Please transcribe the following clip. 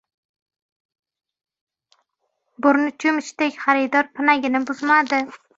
Burni cho‘michdek xaridor pinagini buzmadi.